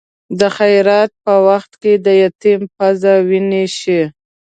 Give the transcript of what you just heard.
د خیرات په وخت کې د یتیم پزه وینې شي.